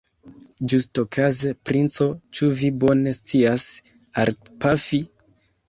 Ĝustokaze, princo, ĉu vi bone scias arkpafi?